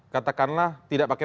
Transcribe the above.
katakanlah tidak pakai